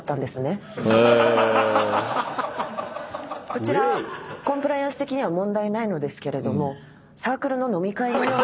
こちらコンプライアンス的には問題ないのですけれども。